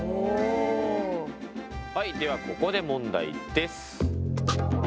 はいではここで問題です。